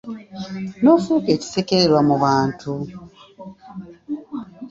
N'ofuuka ekisekererwa mu bantu.